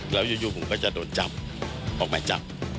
แล้วอยู่ผมก็จะโดนจับออกหมายจับ